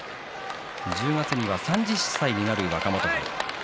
１０月には３０歳になる若元春。